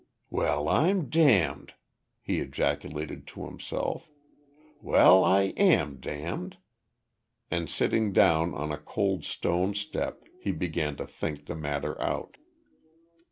"Well I'm damned?" he ejaculated to himself. "Well I am damned." And sitting down on a cold stone step he began to think the matter out.